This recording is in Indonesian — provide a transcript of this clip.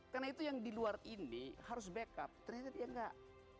karena itu yang diluar ini harus backup ternyata dia tidak